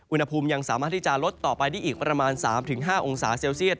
อุณหภูมิยังสามารถที่จะลดต่อไปได้อีกประมาณ๓๕องศาเซลเซียต